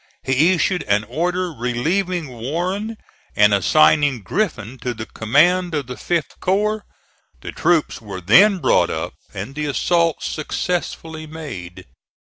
He issued an order relieving Warren and assigning Griffin to the command of the 5th corps. The troops were then brought up and the assault successfully made.